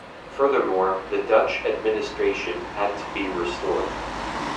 Furthermore the Dutch administration had to be restored.